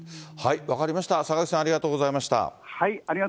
分かりました、坂口さん、ありがとうございました。